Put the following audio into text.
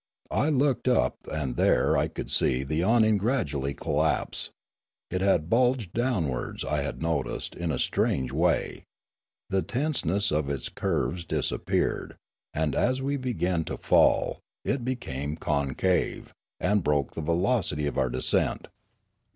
I looked up and there I could see the awning gradually collapse ; it had bulged downwards, I had noticed, in a strange way ; the tenseness of its curves disappeared, and as we began to fall, it became concave, and broke the velocity of our descent.